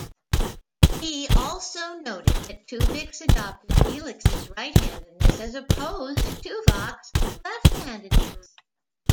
He also noted that Tuvix adopted Neelix's right-handedness as opposed to Tuvok's left-handedness.